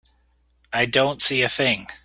I don't see a thing.